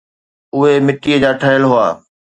اهي مٽيءَ جا ٺهيل هئا.